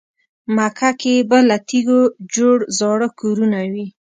مکه کې به له تیږو جوړ زاړه کورونه وي.